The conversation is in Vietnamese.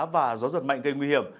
và gió giật mạnh gây nguy hiểm